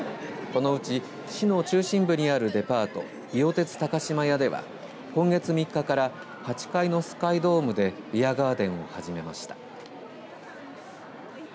このうち市の中心部にあるデパートいよてつ高島屋では今月３日から８階のスカイドームでビアガーデンを始めました。